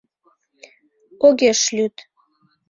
Огеш лӱд